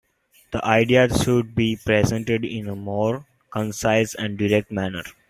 The ideas should be presented in a more concise and direct manner.